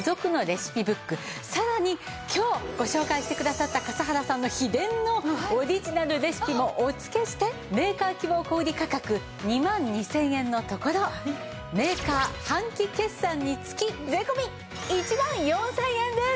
さらに今日ご紹介してくださった笠原さんの秘伝のオリジナルレシピもお付けしてメーカー希望小売価格２万２０００円のところメーカー半期決算につき税込１万４０００円です。